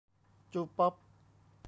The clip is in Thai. จูป๊อป